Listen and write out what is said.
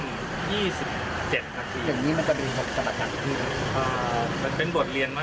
อ๋อมันเป็นบทเรียนมากกว่าครับ